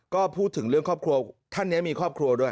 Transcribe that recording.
ก็พูดถึงเรื่องครอบครัวท่านนี้มีครอบครัวด้วย